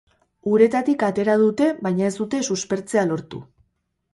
Uretatik atera dute, baina ez dute suspertzea lortu.